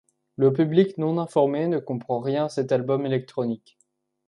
Le public non informé ne comprend rien à cet album électronique.